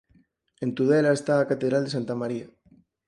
En Tudela está a catedral de Santa María.